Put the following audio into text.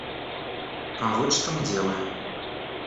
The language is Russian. А вот что мы делаем.